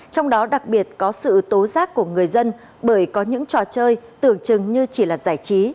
trong đó đặc biệt có sự tố giác của người dân bởi có những trò chơi tưởng chừng như chỉ là giải trí